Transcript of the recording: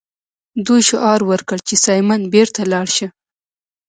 دوی شعار ورکړ چې سایمن بیرته لاړ شه.